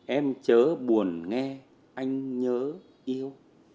em chớ buồn nghe anh nhớ yêu